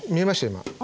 今。